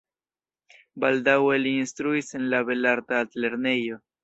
Baldaŭe li instruis en la belarta altlernejo.